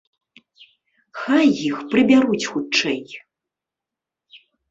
Хай іх прыбяруць хутчэй.